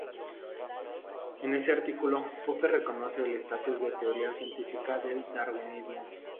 En ese artículo, Popper reconoce el estatus de teoría científica del darwinismo.